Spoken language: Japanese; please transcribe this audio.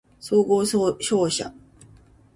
総合商社